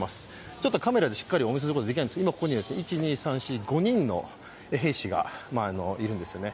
ちょっとカメラでしっかりお見せすることができないんですが、今ここに５人の兵士がいるんですよね。